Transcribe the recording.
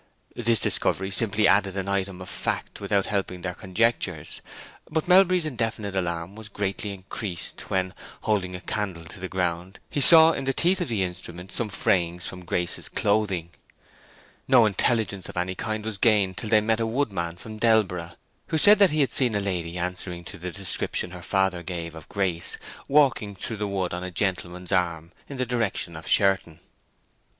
Its discovery simply added an item of fact without helping their conjectures; but Melbury's indefinite alarm was greatly increased when, holding a candle to the ground, he saw in the teeth of the instrument some frayings from Grace's clothing. No intelligence of any kind was gained till they met a woodman of Delborough, who said that he had seen a lady answering to the description her father gave of Grace, walking through the wood on a gentleman's arm in the direction of Sherton.